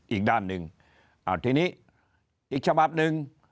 อีกด้านหนึ่งทีนี้อีกฉบับหนึ่ง